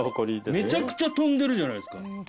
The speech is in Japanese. めちゃくちゃ飛んでるじゃないですか。